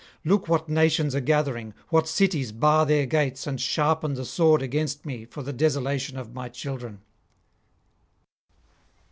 Look what nations are gathering, what cities bar their gates and sharpen the sword against me for the desolation of my children.'